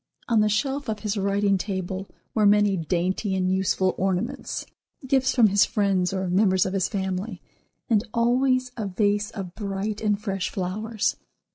On the shelf of his writing table were many dainty and useful ornaments, gifts from his friends or members of his family, and always, a vase of bright and fresh flowers.